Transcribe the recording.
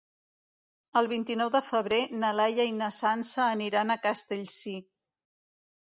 El vint-i-nou de febrer na Laia i na Sança aniran a Castellcir.